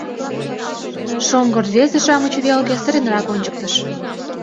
— Шоҥго рвезе-шамыч велке сыренрак ончыктыш.